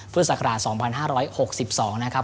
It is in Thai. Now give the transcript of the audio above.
ศักราช๒๕๖๒นะครับ